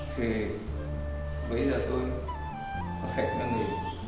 thì bây giờ tôi có thể nâng lý